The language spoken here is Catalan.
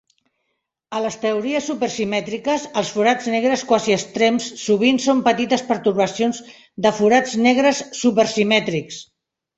A les teories super-simètriques, els forats negres quasi extrems sovint són petites pertorbacions de forats negres super-simètrics.